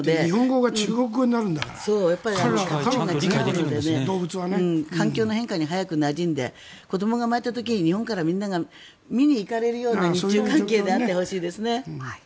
わからないけどね、動物はね。環境の変化に早くなじんで子どもが生まれた時に日本からみんなが見に行かれるような日中関係であってほしいですね。